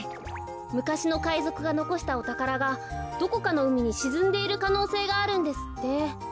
むかしのかいぞくがのこしたおたからがどこかのうみにしずんでいるかのうせいがあるんですって。